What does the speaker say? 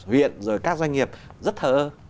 huyện rồi các doanh nghiệp rất thờ ơ